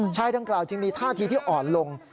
ชายดังกล่าวจึงมีท่าทีที่อ่อนลง